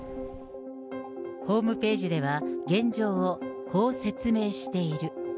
ホームページでは、現状を、こう説明している。